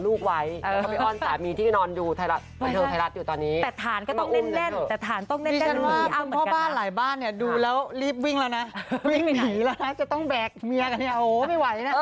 แล้วก็ถ้าใครอยู่ที่บ้านนะคะ